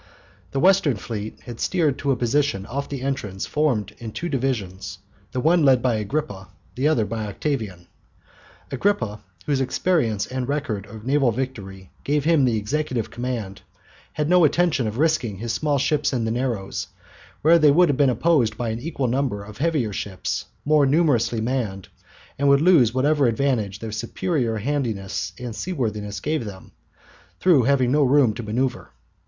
The Western fleet had steered to a position off the entrance formed in two divisions, the one led by Agrippa, the other by Octavian. Agrippa, whose experience and record of naval victory gave him the executive command, had no intention of risking his small ships in the narrows, where they would have been opposed by an equal number of heavier ships, more numerously manned, and would lose whatever advantage their superior handiness and seaworthiness gave them, through having no room to manoeuvre.